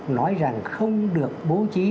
nói rằng không được bố trí